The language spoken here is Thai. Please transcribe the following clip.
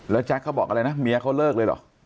แล้วแจ๊คเขาบอกอะไรนะเมียเขาเลิกเลยเหรอ